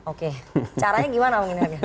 oke caranya gimana